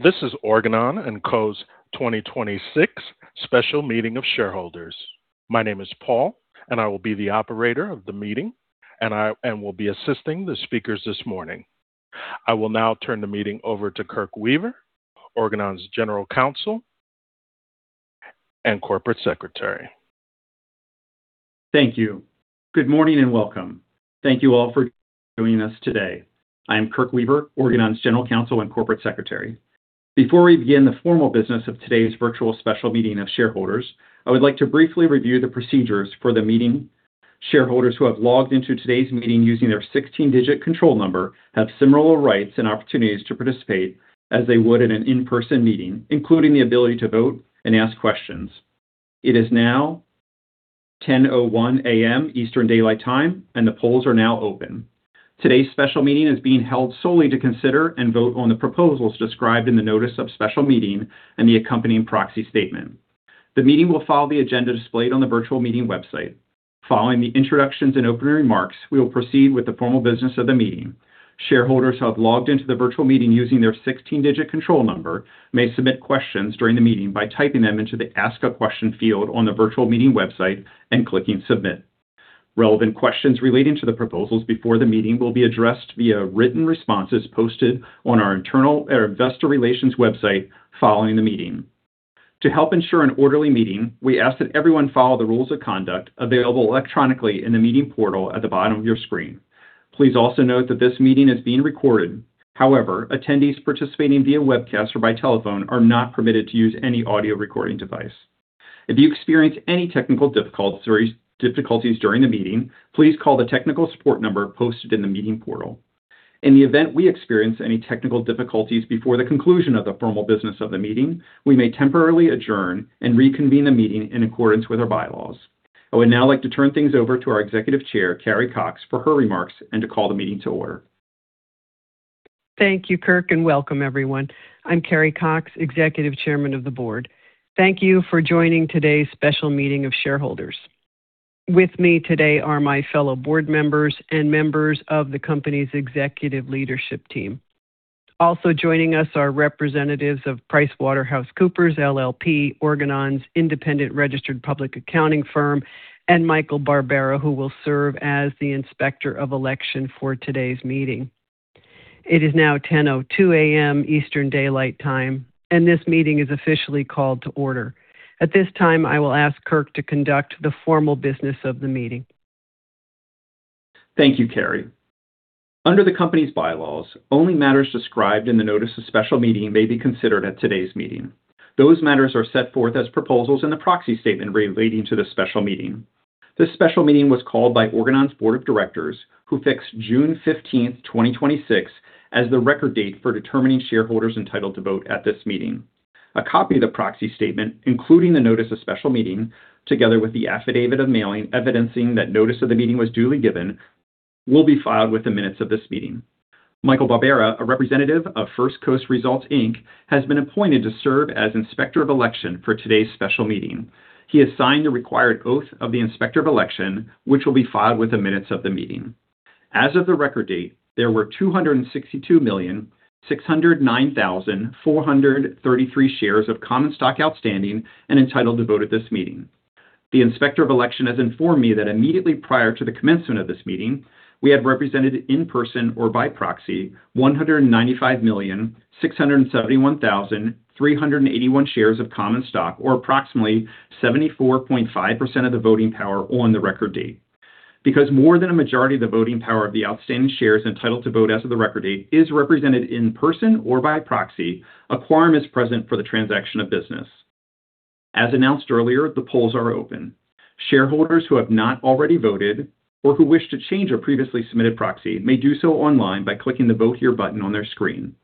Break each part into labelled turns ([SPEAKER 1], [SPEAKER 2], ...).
[SPEAKER 1] This is Organon & Co.'s 2026 Special Meeting of Shareholders. My name is Paul, I will be the operator of the meeting and will be assisting the speakers this morning. I will now turn the meeting over to Kirke Weaver, Organon's General Counsel and Corporate Secretary.
[SPEAKER 2] Thank you. Good morning and welcome. Thank you all for joining us today. I'm Kirke Weaver, Organon's General Counsel and Corporate Secretary. Before we begin the formal business of today's virtual Special Meeting of Shareholders, I would like to briefly review the procedures for the meeting. Shareholders who have logged into today's meeting using their 16-digit control number have similar rights and opportunities to participate as they would in an in-person meeting, including the ability to vote and ask questions. It is now 10:01 A.M. Eastern Daylight Time, the polls are now open. Today's Special Meeting is being held solely to consider and vote on the proposals described in the notice of Special Meeting and the accompanying proxy statement. The meeting will follow the agenda displayed on the virtual meeting website. Following the introductions and opening remarks, we will proceed with the formal business of the meeting. Shareholders who have logged into the virtual meeting using their 16-digit control number may submit questions during the meeting by typing them into the Ask a Question field on the virtual meeting website and clicking Submit. Relevant questions relating to the proposals before the meeting will be addressed via written responses posted on our investor relations website following the meeting. To help ensure an orderly meeting, we ask that everyone follow the rules of conduct available electronically in the meeting portal at the bottom of your screen. Please also note that this meeting is being recorded. Attendees participating via webcast or by telephone are not permitted to use any audio recording device. If you experience any technical difficulties during the meeting, please call the technical support number posted in the meeting portal. In the event we experience any technical difficulties before the conclusion of the formal business of the meeting, we may temporarily adjourn and reconvene the meeting in accordance with our bylaws. I would now like to turn things over to our Executive Chair, Carrie Cox, for her remarks and to call the meeting to order.
[SPEAKER 3] Thank you, Kirke, and welcome everyone. I'm Carrie Cox, Executive Chairman of the Board. Thank you for joining today's special meeting of shareholders. With me today are my fellow board members and members of the company's executive leadership team. Also joining us are representatives of PricewaterhouseCoopers LLP, Organon's independent registered public accounting firm, and Michael Barbera, who will serve as the Inspector of Election for today's meeting. It is now 10:02 A.M. Eastern Daylight Time. This meeting is officially called to order. At this time, I will ask Kirke to conduct the formal business of the meeting.
[SPEAKER 2] Thank you, Carrie. Under the company's bylaws, only matters described in the notice of special meeting may be considered at today's meeting. Those matters are set forth as proposals in the proxy statement relating to the special meeting. This special meeting was called by Organon's Board of Directors, who fixed June 15th, 2026, as the record date for determining shareholders entitled to vote at this meeting. A copy of the proxy statement, including the notice of special meeting, together with the affidavit of mailing evidencing that notice of the meeting was duly given, will be filed with the minutes of this meeting. Michael Barbera, a representative of First Coast Results, Inc., has been appointed to serve as Inspector of Election for today's special meeting. He has signed the required oath of the Inspector of Election, which will be filed with the minutes of the meeting. As of the record date, there were 262,609,433 shares of common stock outstanding and entitled to vote at this meeting. The Inspector of Election has informed me that immediately prior to the commencement of this meeting, we had represented in person or by proxy 195,671,381 shares of common stock, or approximately 74.5% of the voting power on the record date. Because more than a majority of the voting power of the outstanding shares entitled to vote as of the record date is represented in person or by proxy, a quorum is present for the transaction of business. As announced earlier, the polls are open. Shareholders who have not already voted or who wish to change a previously submitted proxy may do so online by clicking the Vote Here button on their screen.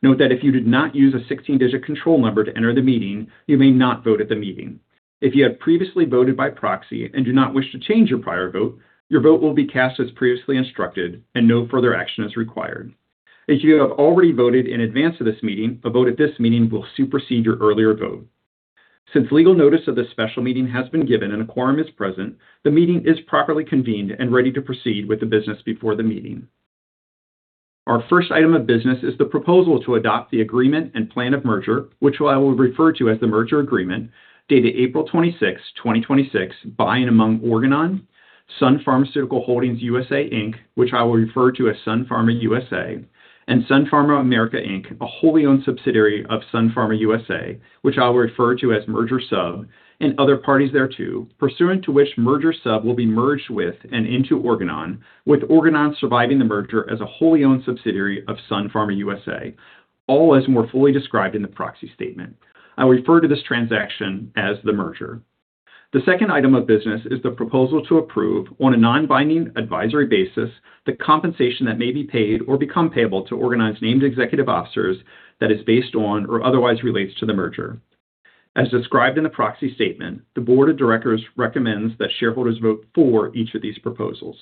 [SPEAKER 2] Note that if you did not use a 16-digit control number to enter the meeting, you may not vote at the meeting. If you have previously voted by proxy and do not wish to change your prior vote, your vote will be cast as previously instructed and no further action is required. If you have already voted in advance of this meeting, a vote at this meeting will supersede your earlier vote. Since legal notice of this special meeting has been given and a quorum is present, the meeting is properly convened and ready to proceed with the business before the meeting. Our first item of business is the proposal to adopt the agreement and plan of merger, which I will refer to as the merger agreement, dated April 26, 2026, by and among Organon, Sun Pharmaceutical Holdings USA, Inc., which I will refer to as Sun Pharma USA, and Sun Pharma America Inc., a wholly owned subsidiary of Sun Pharma USA, which I will refer to as Merger Sub, and other parties thereto, pursuant to which Merger Sub will be merged with and into Organon, with Organon surviving the merger as a wholly owned subsidiary of Sun Pharma USA. All as more fully described in the proxy statement. I will refer to this transaction as the merger. The second item of business is the proposal to approve, on a non-binding advisory basis, the compensation that may be paid or become payable to Organon's named executive officers that is based on or otherwise relates to the merger. As described in the proxy statement, the Board of Directors recommends that shareholders vote for each of these proposals.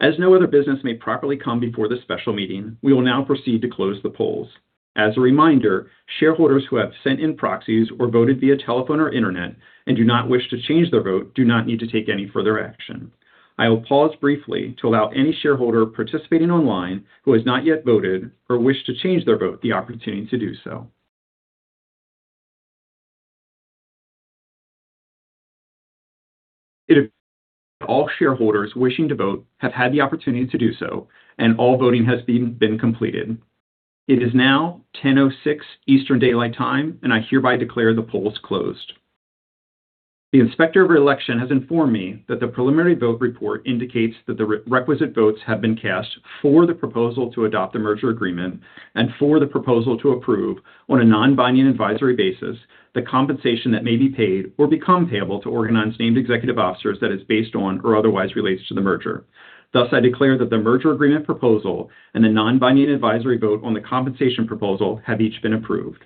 [SPEAKER 2] As no other business may properly come before this special meeting, we will now proceed to close the polls. As a reminder, shareholders who have sent in proxies or voted via telephone or internet and do not wish to change their vote do not need to take any further action. I will pause briefly to allow any shareholder participating online who has not yet voted or wish to change their vote the opportunity to do so. It appears all shareholders wishing to vote have had the opportunity to do so. All voting has been completed. It is now 10:06 A.M. Eastern Daylight Time. I hereby declare the polls closed. The Inspector of Election has informed me that the preliminary vote report indicates that the requisite votes have been cast for the proposal to adopt the merger agreement and for the proposal to approve, on a non-binding advisory basis, the compensation that may be paid or become payable to Organon's named executive officers that is based on or otherwise relates to the merger. I declare that the merger agreement proposal and the non-binding advisory vote on the compensation proposal have each been approved.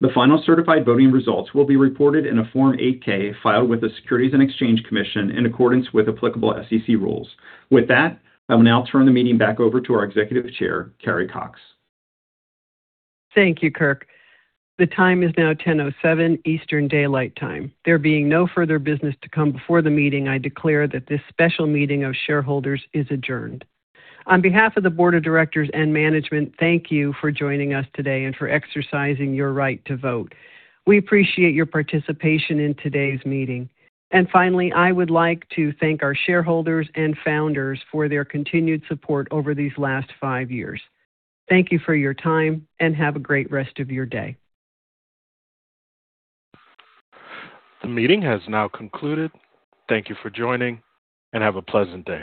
[SPEAKER 2] The final certified voting results will be reported in a Form 8-K filed with the Securities and Exchange Commission in accordance with applicable SEC rules. With that, I will now turn the meeting back over to our Executive Board Chair, Carrie Cox.
[SPEAKER 3] Thank you, Kirke. The time is now 10:07 A.M. Eastern Daylight Time. There being no further business to come before the meeting, I declare that this special meeting of shareholders is adjourned. On behalf of the Board of Directors and management, thank you for joining us today and for exercising your right to vote. We appreciate your participation in today's meeting. Finally, I would like to thank our shareholders and founders for their continued support over these last five years. Thank you for your time, and have a great rest of your day.
[SPEAKER 1] The meeting has now concluded. Thank you for joining, and have a pleasant day.